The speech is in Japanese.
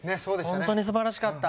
本当にすばらしかった。